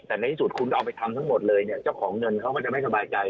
แต่ในที่สุดคุณเอาไปทำทั้งหมดเลยเนี่ยเจ้าของเงินเขาก็จะไม่สบายใจ